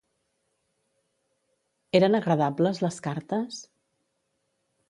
Eren agradables les cartes?